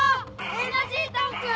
エナジータンク！